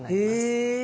へえ。